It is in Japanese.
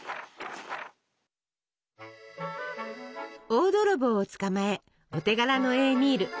大泥棒を捕まえお手柄のエーミール。